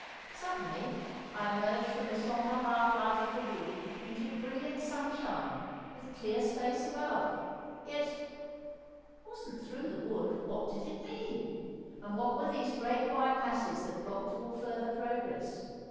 Suddenly I emerged from the sombre half light of the wood, into brilliant sunshine, with clear space above. Yet—I wasn't through the wood; what did it mean? And what were these great white masses that blocked all further progress?